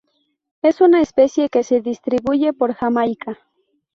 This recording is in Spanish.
Es una especie que se distribuye por Jamaica.